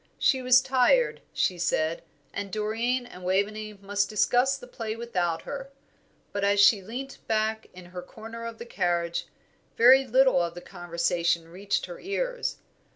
She was tired, she said, and Doreen and Waveney must discuss the play without her; but as she leant back in her corner of the carriage, very little of the conversation reached her ears.